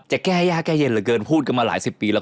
จะแก้ยากแก้เย็นเหลือเกินพูดกันมาหลายสิบปีแล้ว